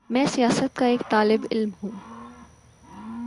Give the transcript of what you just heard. میں سیاست کا ایک طالب علم ہوں۔